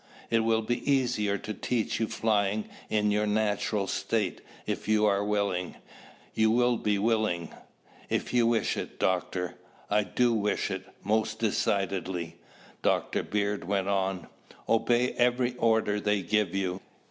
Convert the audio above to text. It will be easier to teach you flying in your natural state if you are willing. You will be willing." "If you wish it, Doctor." "I do wish it, most decidedly," Dr. Bird went on. "Obey every order they give you.